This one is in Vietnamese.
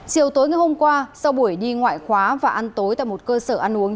chiều tối ngày hôm qua sau buổi đi ngoại khóa và ăn tối tại một cơ sở ăn uống